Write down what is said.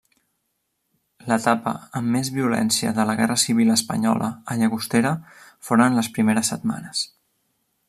L'etapa amb més violència de la guerra civil espanyola a Llagostera foren les primeres setmanes.